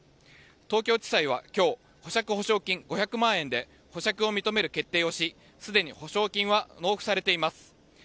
東京地裁は今日保釈保証金５００万円で保釈を認める決定をしすでに保証金は納付されています。